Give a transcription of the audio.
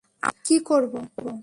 আর কী করব?